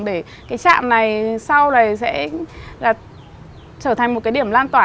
để cái trạm này sau này sẽ trở thành một cái điểm lan tỏa